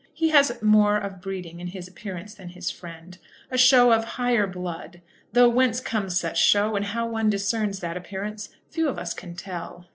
He has more of breeding in his appearance than his friend, a show of higher blood; though whence comes such show, and how one discerns that appearance, few of us can tell.